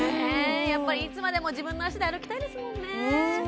やっぱりいつまでも自分の足で歩きたいですもんね